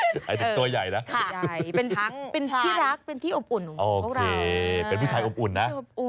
ช้างใหญ่ไอ้ตัวใหญ่นะเป็นพี่รักเป็นที่อบอุ่นของเราโอเคเป็นผู้ชายอบอุ่นนะ